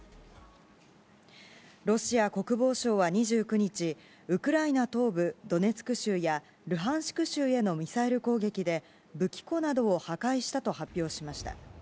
ロシア国防省は２９日、ウクライナ東部ドネツク州やルハンシク州へのミサイル攻撃で武器庫などを破壊したと発表しました。